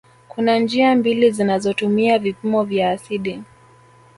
Kuna njia mbili zinazotumia vipimo vya asidi